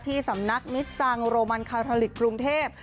ที่สำนักมิสซังโรมันคาทอลิกกรุงเทพ